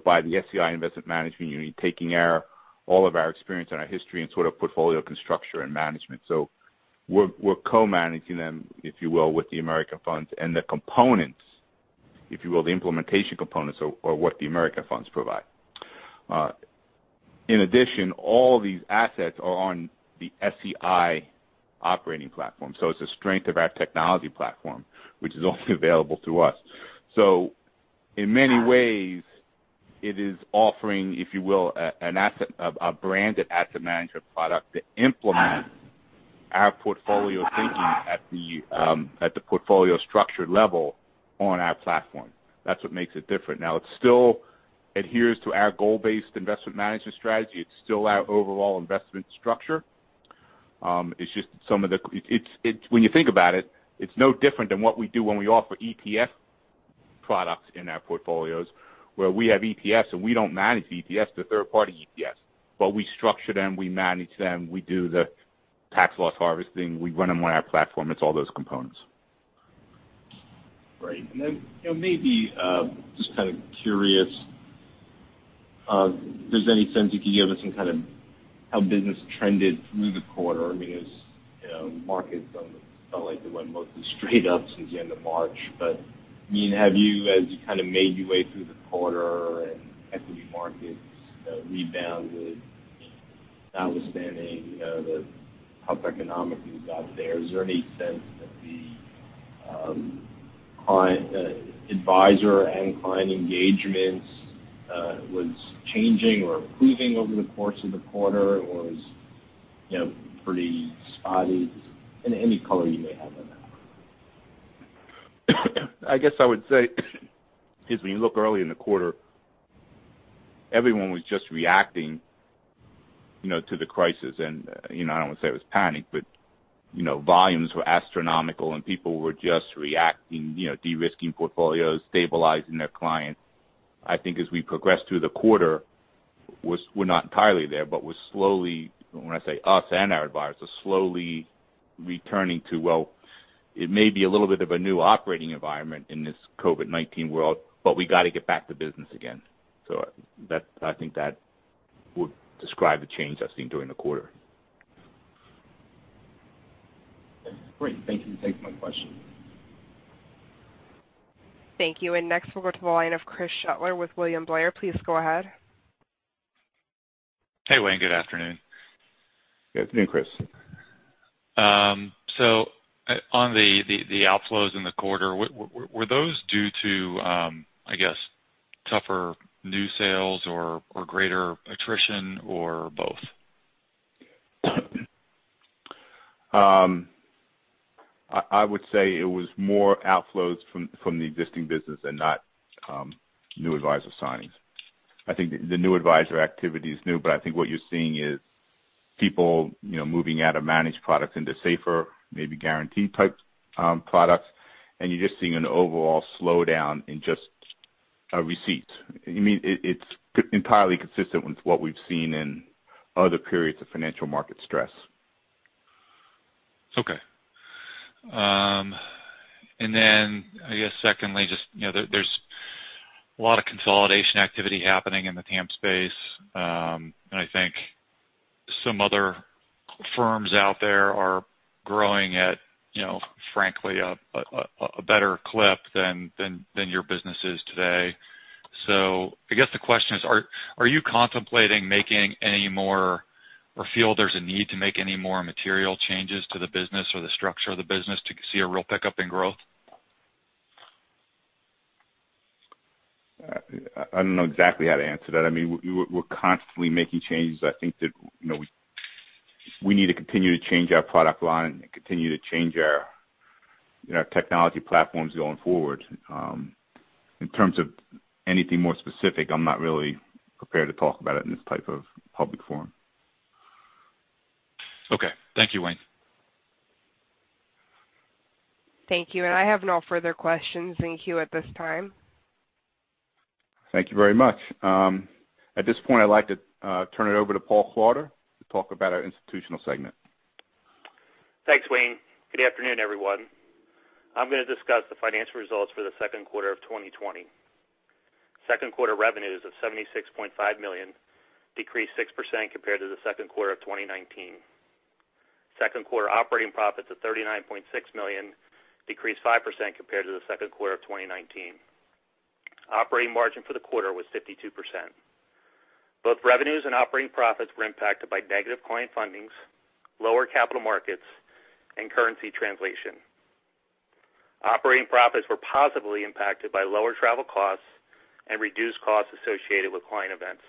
by the SEI Investment Management Unit, taking all of our experience and our history in portfolio construction and management. We're co-managing them, if you will, with the American Funds. The components, if you will, the implementation components are what the American Funds provide. In addition, all these assets are on the SEI operating platform. It's a strength of our technology platform, which is also available to us. In many ways, it is offering, if you will, a branded asset management product to implement our portfolio thinking at the portfolio structure level on our platform. That's what makes it different. It still adheres to our goal-based investment management strategy. It's still our overall investment structure. When you think about it's no different than what we do when we offer ETF products in our portfolios, where we have ETFs, and we don't manage the ETFs, they're third-party ETFs. We structure them, we manage them, we do the tax-loss harvesting, we run them on our platform, it's all those components. Right. Maybe just kind of curious, if there's any sense you can give us in how business trended through the quarter. As markets almost felt like they went mostly straight up since the end of March. Have you, as you made your way through the quarter and equity markets rebounded, notwithstanding the tough economics you've got there, is there any sense that the advisor and client engagements was changing or improving over the course of the quarter, or is pretty spotty? Just any color you may have on that. I guess I would say, is when you look early in the quarter, everyone was just reacting to the crisis. I don't want to say it was panic, but volumes were astronomical, and people were just reacting, de-risking portfolios, stabilizing their clients. I think as we progressed through the quarter, we're not entirely there, but When I say us and our advisors, are slowly returning to, well, it may be a little bit of a new operating environment in this COVID-19 world, but we got to get back to business again. I think that would describe the change I've seen during the quarter. That's great. Thank you. Thanks for my question. Thank you. Next, we'll go to the line of Chris Schoettler with William Blair. Please go ahead. Hey, Wayne. Good afternoon. Good afternoon, Chris. On the outflows in the quarter, were those due to, I guess tougher new sales or greater attrition, or both? I would say it was more outflows from the existing business and not new advisor signings. I think the new advisor activity is new, but I think what you're seeing is people moving out of managed products into safer, maybe guaranteed-type products. You're just seeing an overall slowdown in just receipts. It's entirely consistent with what we've seen in other periods of financial market stress. Okay. I guess secondly, there's a lot of consolidation activity happening in the TAMP space. I think some other firms out there are growing at, frankly, a better clip than your business is today. I guess the question is, are you contemplating making any more, or feel there's a need to make any more material changes to the business or the structure of the business to see a real pickup in growth? I don't know exactly how to answer that. We're constantly making changes. I think that we need to continue to change our product line and continue to change our technology platforms going forward. In terms of anything more specific, I'm not really prepared to talk about it in this type of public forum. Okay. Thank you, Wayne. Thank you. I have no further questions in queue at this time. Thank you very much. At this point, I'd like to turn it over to Paul Klauder to talk about our institutional segment. Thanks, Wayne. Good afternoon, everyone. I'm going to discuss the financial results for the second quarter of 2020. Second quarter revenues of $76.5 million, decreased 6% compared to the second quarter of 2019. Second quarter operating profits of $39.6 million, decreased 5% compared to the second quarter of 2019. Operating margin for the quarter was 52%. Both revenues and operating profits were impacted by negative client fundings, lower capital markets, and currency translation. Operating profits were positively impacted by lower travel costs and reduced costs associated with client events.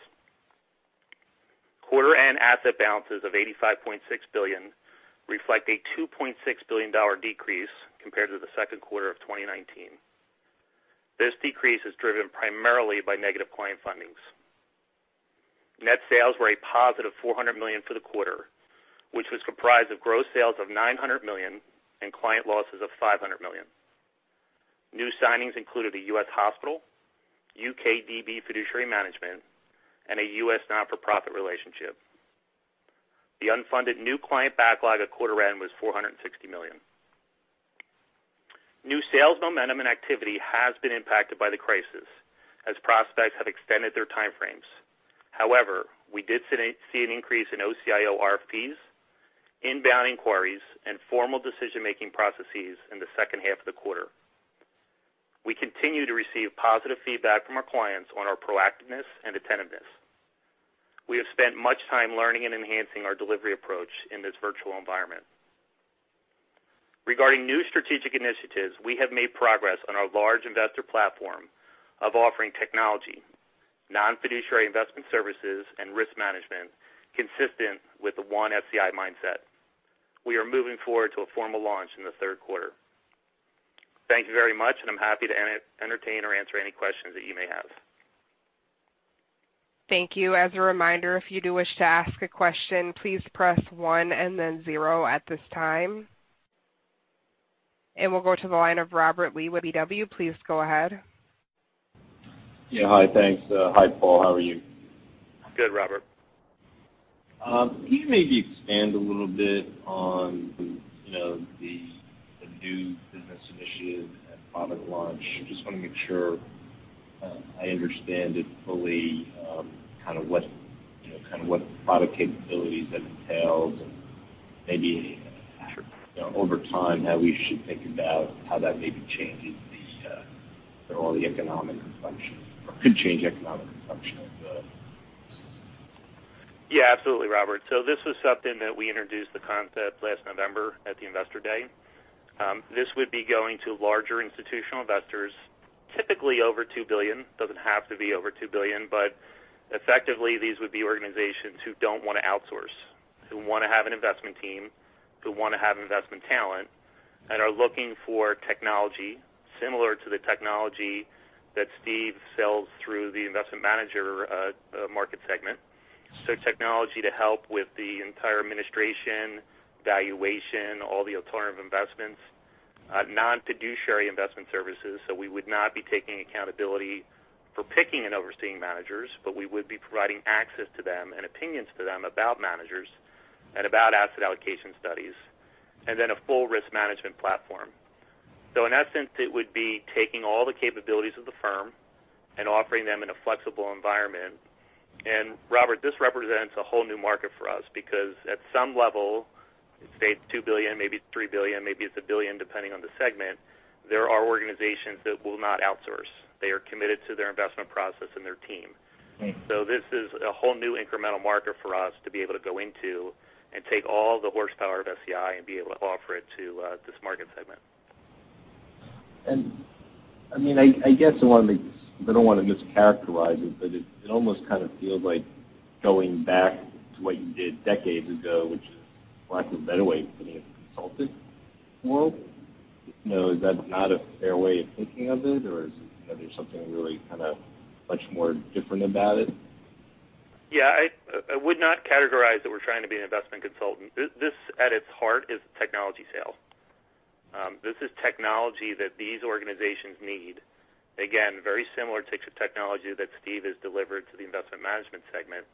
Quarter end asset balances of $85.6 billion reflect a $2.6 billion decrease compared to the second quarter of 2019. This decrease is driven primarily by negative client fundings. Net sales were a positive $400 million for the quarter, which was comprised of gross sales of $900 million and client losses of $500 million. New signings included a U.S. hospital, U.K. DB fiduciary management, and a U.S. not-for-profit relationship. The unfunded new client backlog at quarter end was $460 million. New sales momentum and activity has been impacted by the crisis, as prospects have extended their time frames. We did see an increase in OCIO RFPs, inbound inquiries and formal decision-making processes in the second half of the quarter. We continue to receive positive feedback from our clients on our proactiveness and attentiveness. We have spent much time learning and enhancing our delivery approach in this virtual environment. Regarding new strategic initiatives, we have made progress on our large investor platform of offering technology, non-fiduciary investment services, and risk management consistent with the One SEI mindset. We are moving forward to a formal launch in the third quarter. Thank you very much. I'm happy to entertain or answer any questions that you may have. Thank you. As a reminder, if you do wish to ask a question, please press one and then zero at this time. We'll go to the line of Robert Lee with KBW. Please go ahead. Yeah. Hi, thanks. Hi, Paul. How are you? Good, Robert. Can you maybe expand a little bit on the new business initiative and product launch? Just want to make sure I understand it fully, what product capabilities that entails and maybe over time, how we should think about how that may be changing all the economic assumptions or could change economic assumptions of the. Yeah, absolutely, Robert. This was something that we introduced the concept last November at the Investor Day. This would be going to larger institutional investors, typically over $2 billion. Doesn't have to be over $2 billion, but effectively, these would be organizations who don't want to outsource, who want to have an investment team, who want to have investment talent, and are looking for technology similar to the technology that Steve sells through the investment manager market segment. Technology to help with the entire administration, valuation, all the alternative investments non-fiduciary investment services. We would not be taking accountability for picking and overseeing managers, but we would be providing access to them and opinions to them about managers and about asset allocation studies, and then a full risk management platform. In essence, it would be taking all the capabilities of the firm and offering them in a flexible environment. Robert, this represents a whole new market for us because at some level, say it's $2 billion, maybe it's $3 billion, maybe it's $1 billion, depending on the segment, there are organizations that will not outsource. They are committed to their investment process and their team. Right. This is a whole new incremental market for us to be able to go into and take all the horsepower of SEI and be able to offer it to this market segment. I guess I don't want to mischaracterize it, but it almost feels like going back to what you did decades ago, which is, for lack of a better way of putting it, the consultant world. Is that not a fair way of thinking of it, or is there something really much more different about it? Yeah. I would not categorize that we're trying to be an investment consultant. This, at its heart, is a technology sale. This is technology that these organizations need. Again, very similar types of technology that Steve has delivered to the investment management segment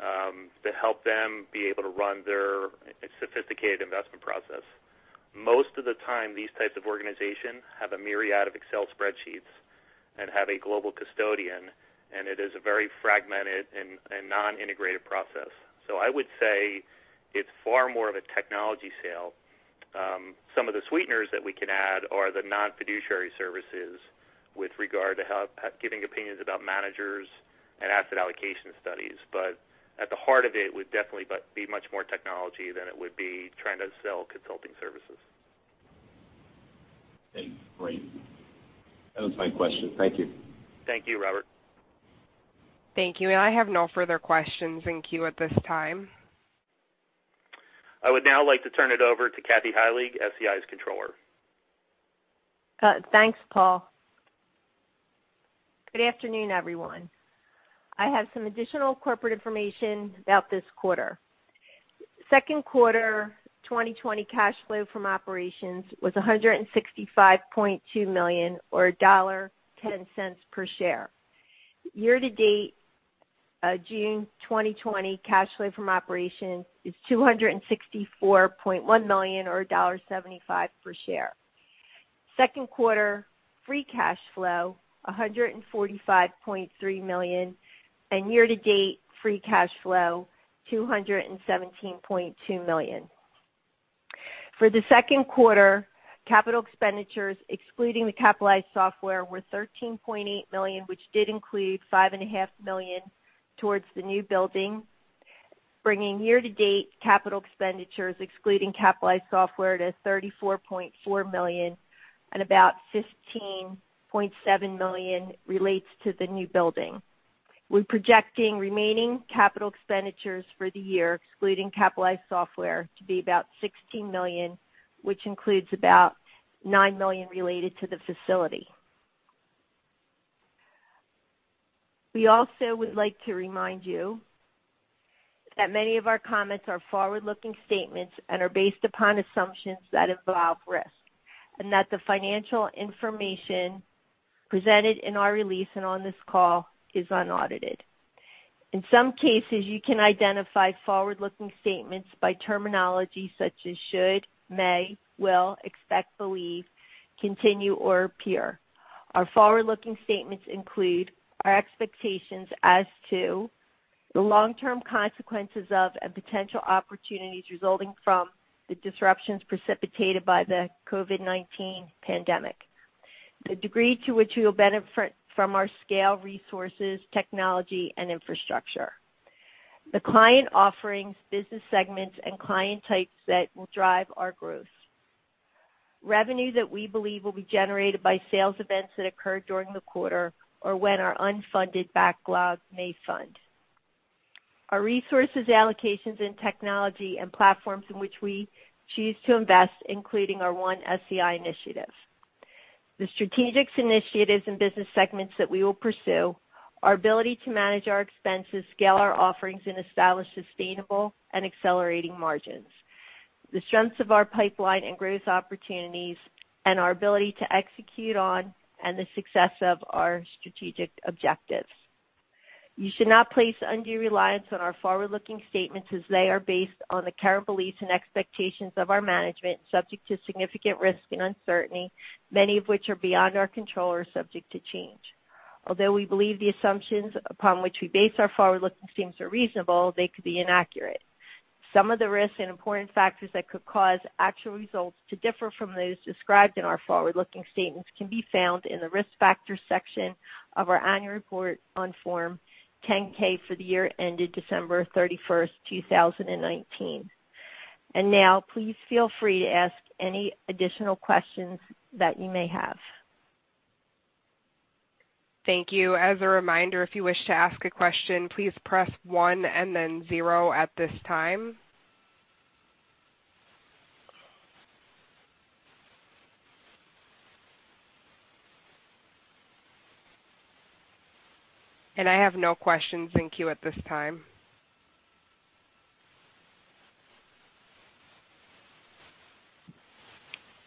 to help them be able to run their sophisticated investment process. Most of the time, these types of organizations have a myriad of Excel spreadsheets and have a global custodian, and it is a very fragmented and non-integrated process. I would say it's far more of a technology sale. Some of the sweeteners that we can add are the non-fiduciary services with regard to giving opinions about managers and asset allocation studies. At the heart of it would definitely be much more technology than it would be trying to sell consulting services. Okay, great. That was my question. Thank you. Thank you, Robert. Thank you. I have no further questions in queue at this time. I would now like to turn it over to Kathy Heilig, SEI's Controller. Thanks, Paul. Good afternoon, everyone. I have some additional corporate information about this quarter. Second quarter 2020 cash flow from operations was $165.2 million, or $1.10 per share. Year to date June 2020 cash flow from operations is $264.1 million, or $1.75 per share. Second quarter free cash flow, $145.3 million, and year to date free cash flow, $217.2 million. For the second quarter, capital expenditures, excluding the capitalized software, were $13.8 million, which did include $5.5 million towards the new building, bringing year to date capital expenditures, excluding capitalized software, to $34.4 million, and about $15.7 million relates to the new building. We're projecting remaining capital expenditures for the year, excluding capitalized software, to be about $16 million, which includes about $9 million related to the facility. We also would like to remind you that many of our comments are forward-looking statements and are based upon assumptions that involve risk, and that the financial information presented in our release and on this call is unaudited. In some cases, you can identify forward-looking statements by terminology such as should, may, will, expect, believe, continue, or appear. Our forward-looking statements include our expectations as to the long-term consequences of and potential opportunities resulting from the disruptions precipitated by the COVID-19 pandemic. The degree to which we will benefit from our scale, resources, technology and infrastructure. The client offerings, business segments, and client types that will drive our growth. Revenue that we believe will be generated by sales events that occur during the quarter, or when our unfunded backlog may fund. Our resources, allocations, and technology and platforms in which we choose to invest, including our One-SEI initiative. The strategic initiatives and business segments that we will pursue. Our ability to manage our expenses, scale our offerings, and establish sustainable and accelerating margins. The strengths of our pipeline and growth opportunities, and our ability to execute on and the success of our strategic objectives. You should not place undue reliance on our forward-looking statements as they are based on the current beliefs and expectations of our management, subject to significant risk and uncertainty, many of which are beyond our control or are subject to change. Although we believe the assumptions upon which we base our forward-looking statements are reasonable, they could be inaccurate. Some of the risks and important factors that could cause actual results to differ from those described in our forward-looking statements can be found in the Risk Factors section of our annual report on Form 10-K for the year ended December 31st, 2019. Now, please feel free to ask any additional questions that you may have. Thank you. As a reminder, if you wish to ask a question, please press one and then zero at this time. I have no questions in queue at this time.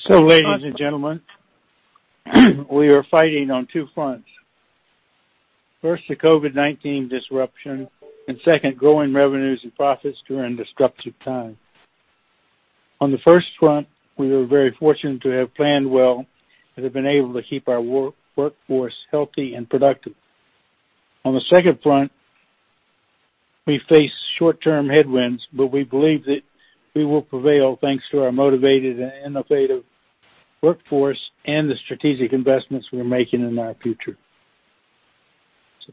Ladies and gentlemen, we are fighting on two fronts. First, the COVID-19 disruption, and second, growing revenues and profits during disruptive times. On the first front, we were very fortunate to have planned well and have been able to keep our workforce healthy and productive. On the second front, we face short-term headwinds, but we believe that we will prevail thanks to our motivated and innovative workforce and the strategic investments we're making in our future.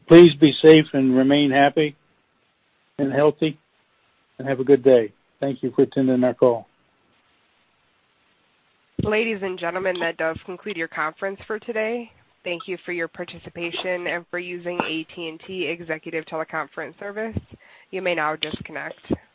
Please be safe and remain happy and healthy, and have a good day. Thank you for attending our call. Ladies and gentlemen, that does conclude your conference for today. Thank you for your participation and for using AT&T Executive Teleconference Service. You may now disconnect.